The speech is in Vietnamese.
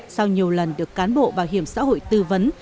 sau nhiều lần được cán bộ bảo hiểm xã hội tư vấn